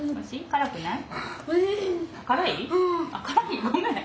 辛い？